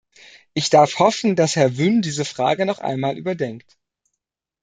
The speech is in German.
Ich darf hoffen, dass Herr Wynn diese Frage noch einmal überdenkt.